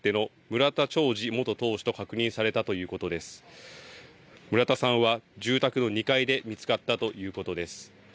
村田さんは住宅の２階で見つかったということです。